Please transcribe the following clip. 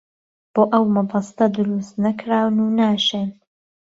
بۆ ئەو مەبەستە درووست نەکراون و ناشێن